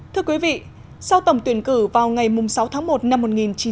thưa quý vị sau tổng tuyển cử vào ngày sáu tháng một năm một nghìn chín trăm bốn mươi